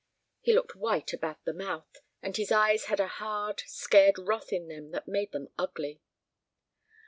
He looked white about the mouth, and his eyes had a hard, scared wrath in them that made them ugly.